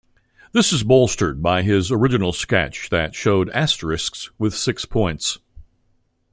This is bolstered by his original sketch that showed asterisks with six points.